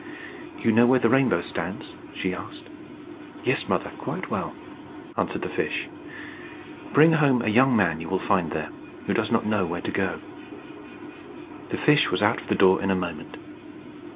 "You know where the rainbow stands?" she asked. "Yes, Mother, quite well," answered the fish. "Bring home a young man you will find there, who does not know where to go." The fish was out of the door in a moment.